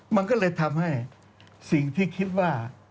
มันก็เลยทำให้สิ่งที่คิดว่า